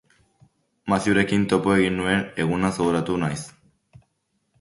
Mathieurekin topo egin nuen egunaz gogoratu naiz.